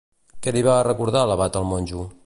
Què li va recordar l'abat al monjo?